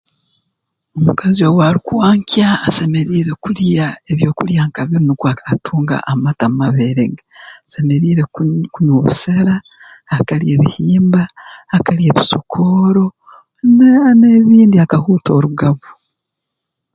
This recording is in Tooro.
Omukazi owaarukwankya asemeriire kulya ebyokulya nka binu nukwo aka atunge amata mu mabere ge asemeriire kunywa obusera akalya ebihimba akalya ebisokooro na n'ebindi akahuuta orugabu